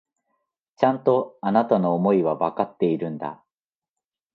ちゃんと、あなたの思いはわかっているんだ。